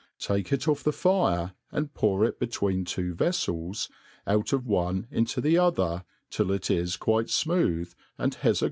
Take it OfF the fire, and pour it between two veilels, out of one into another, tilf it is quite fmooth, and has a great froth.